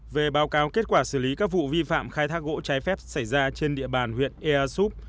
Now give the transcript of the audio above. về báo cáo kết quả xử lý các vụ vi phạm khai thác gỗ trái phép xảy ra trên địa bàn huyện ea súp